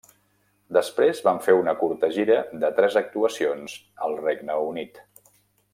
Després van fer una curta gira de tres actuacions al Regne Unit.